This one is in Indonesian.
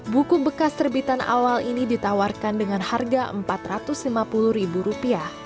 buku bekas terbitan awal ini ditawarkan dengan harga empat ratus lima puluh ribu rupiah